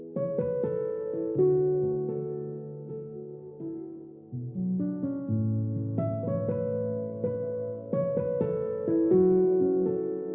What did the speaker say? จะเป็นเหมือนข้อสบายดี